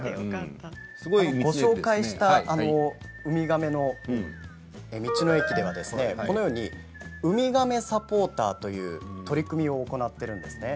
ご紹介したウミガメの道の駅ではウミガメサポーターという取り組みを行っているんです。